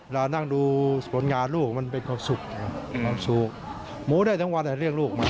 เรานั่งดูผลงานลูกมันเป็นความสุขความสุข